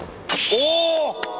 おお。